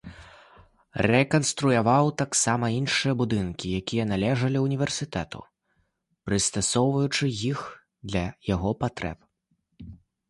Рэканструяваў таксама іншыя будынкі, якія належалі ўніверсітэту, прыстасоўваючы іх для яго патрэб.